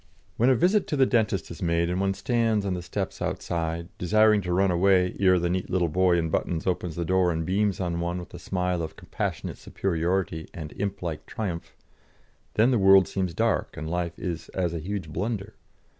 When a visit to the dentist is made, and one stands on the steps outside, desiring to run away ere the neat little boy in buttons opens the door and beams on one with a smile of compassionate superiority and implike triumph, then the world seems dark and life is as a huge blunder.